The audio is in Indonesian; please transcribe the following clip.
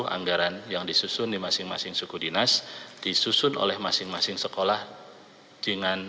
anggaran yang disusun di masing masing suku dinas disusun oleh masing masing sekolah dengan